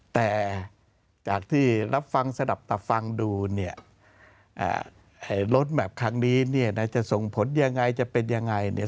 แต่จากที่รับฟังสนับตับฟังดูเนี่ยรถแมพครั้งนี้จะส่งผลยังไงจะเป็นยังไง